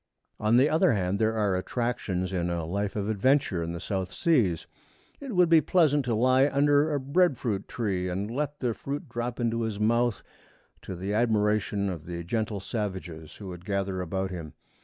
On the other hand, there are attractions in a life of adventure in the South Seas. It would be pleasant to lie under a bread fruit tree and let the fruit drop into his mouth, to the admiration of the gentle savages who would gather about him.